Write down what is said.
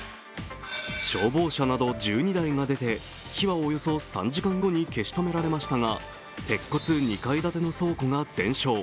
消防車など１２台が出て、火はおよそ３時間後に消し止められましたが鉄骨２階建ての倉庫が全焼。